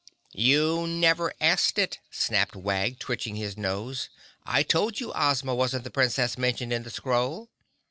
"You never asked it," snapped Wag, twitching his nose. "I told you Ozma wasn't the Princess mentioned in the scroll!"